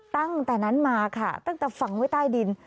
ตั้งแต่นั้นมาค่ะตั้งแต่ฝังไว้ใต้ดิน